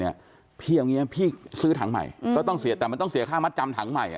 พี่เอาอย่างนี้พี่ซื้อถังใหม่ก็ต้องเสียแต่มันต้องเสียค่ามัดจำถังใหม่